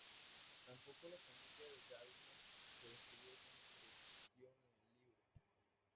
Tampoco la familia de Goldman se describe con precisión en el libro.